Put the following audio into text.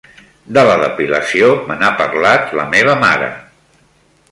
De la depilació me n'ha parlat la meva mare.